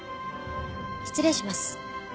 失礼します。